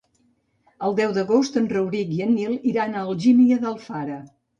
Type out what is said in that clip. El deu d'agost en Rauric i en Nil iran a Algímia d'Alfara.